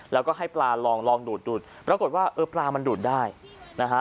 แล้วก็ให้ปลาลองลองดูดดูดปรากฏว่าเออปลามันดูดได้นะฮะ